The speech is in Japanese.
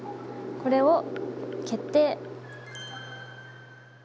これを、決定！